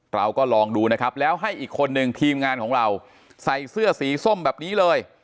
เราก็ลองดูนะครับแล้วให้อีกคนนึงทีมงานของเราใส่เสื้อสีส้มแบบนี้เลย